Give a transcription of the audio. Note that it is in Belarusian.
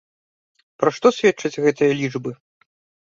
Пра што сведчаць гэтыя лічбы?